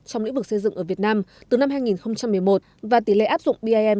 trong lĩnh vực xây dựng ở việt nam từ năm hai nghìn một mươi một và tỷ lệ áp dụng bim